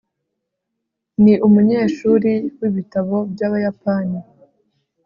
ni umunyeshuri wibitabo byabayapani